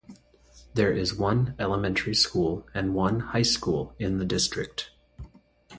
There is one elementary school and one high school in the district.